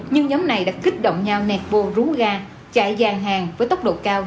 nhưng nhóm này đã kích động nhau nẹt bô rú ga chạy dàn hàng với tốc độ cao